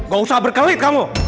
gak usah berkawit kamu